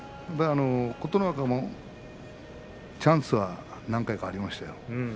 琴ノ若もチャンスは何回かありましたよ。